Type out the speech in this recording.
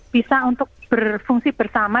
bisa untuk berfungsi bersama